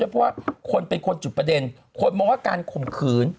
เพราะว่าคนเป็นคนจุดประเด็นคนมองว่าการข่มขืน